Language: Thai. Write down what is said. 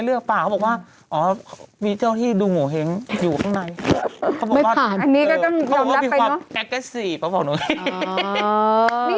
เขาบอกว่าเป็นความแก๊กแก๊สซี่เขาบอกหนูเนี่ย